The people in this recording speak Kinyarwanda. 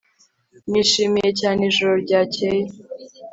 Nishimiye cyane ijoro ryakeye